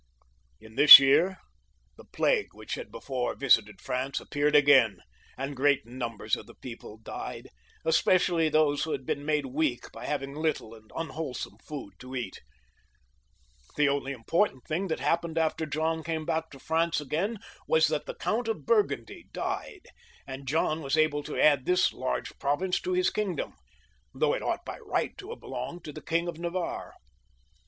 In this year the plague which had before visited France appeared again, and great numbers of the people died, especially those who had been made weak by having little and unwholesome food to eat The only important thing that happened after John came back to France again was that the Count of Burgundy died, and John was able to add this large province to his kingdom, though it ought by rights to have belonged to the King of Navarre.